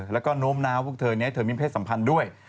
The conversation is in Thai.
แล้วก็โน้มน้าวพวกเธอนี้เธอมีเพศสัมพันธ์ด้วย